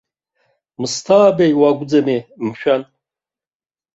Мысҭаабеи уакәӡами, мшәан?